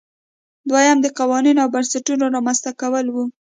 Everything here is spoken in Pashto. دویم د قوانینو او بنسټونو رامنځته کول وو.